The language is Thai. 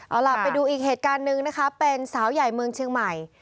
เอาล่ะไปดูอีกเหตุการณ์หนึ่งนะคะเป็นสาวใหญ่เมืองเชียงใหม่